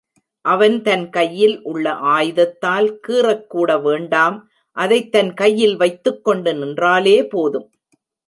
அவன் தன் கையில் உள்ள ஆயுதத்தால் கீறக்கூட வேண்டாம் அதைத் தன் கையில் வைத்துக் கொண்டு நின்றாலே போதும்.